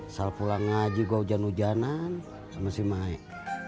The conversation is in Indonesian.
sel pulang aja gue hujan hujanan sama si maik